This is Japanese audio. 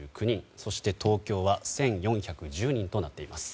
そして東京は１４１０人となっています。